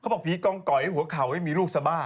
เขาบอกผีกองก่อยให้หัวเข่าให้มีลูกซะบ้า